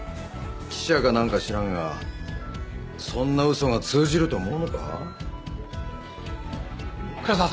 記者かなんか知らんがそんな嘘が通じると思うのか？